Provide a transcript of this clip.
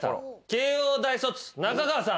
慶應大卒中川さん。